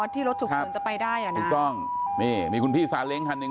ที่รถฉุกเฉินจะไปได้อ่ะนะถูกต้องนี่มีคุณพี่ซาเล้งคันหนึ่ง